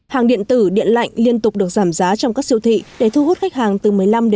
hàng điện tử điện lạnh liên tục được giảm giá trong các siêu thị để thu hút khách hàng từ một mươi năm